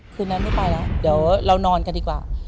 คืนนั้นไม่ไปแล้วเดี๋ยวเรานอนกันดีกว่า